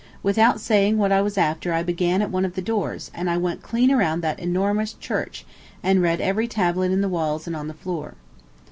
Without saying what I was after I began at one of the doors, and I went clean around that enormous church, and read every tablet in the walls and on the floor.